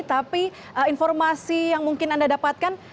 tapi informasi yang mungkin anda dapatkan